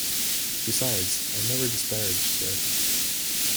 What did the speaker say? Besides, I never disparage, sir.